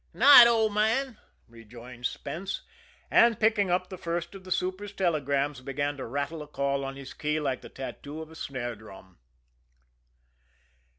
"'Night, old man," rejoined Spence, and picking up the first of the super's telegrams began to rattle a call on his key like the tattoo of a snare drum.